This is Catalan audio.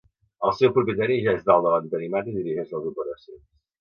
El seu propietari ja és dalt de l'entarimat i dirigeix les operacions.